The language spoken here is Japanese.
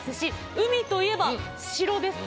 海といえば城です。